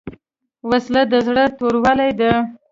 وسله د زړه توروالی دی